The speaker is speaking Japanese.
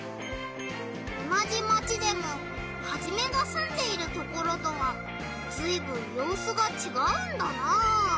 おなじマチでもハジメがすんでいるところとはずいぶんようすがちがうんだな。